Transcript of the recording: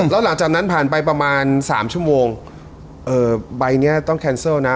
แล้วหลังจากนั้นผ่านไปประมาณสามชั่วโมงใบเนี้ยต้องแคนเซิลนะ